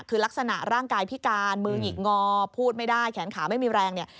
คือลักษณะร่างกายพิการมือหงิกงอพูดไม่ได้แขนขาไม่มีแรงเนี่ย